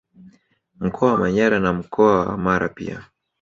Mkoa wa Manyara na mkoa wa Mara pia